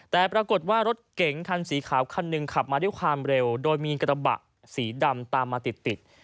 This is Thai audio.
แต่ปรากฏว่ารถเก๋งคันสีขาวคันหนึ่งขับมาด้วยความเร็วโดยมีกระบะสีดำตามมาติดติด